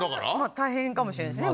大変かもしれないですね